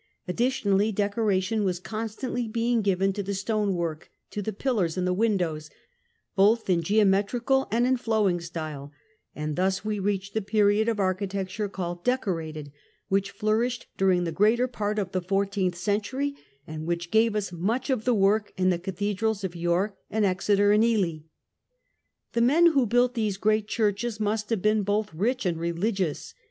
Additional decoration was constantly being given to the stone work, to the pillars and the windows, both in geometrical and in flowing style, and thus we reach the period of Archi tecture called Decorated^ which flourished during the greater part of the fourteenth century, and which gave us much of the work in the cathedrals of York, and Exeter, and Ely. The men who built these great churches must have been both rich and religious.